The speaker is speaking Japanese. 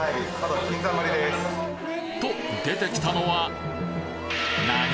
と出てきたのは何！？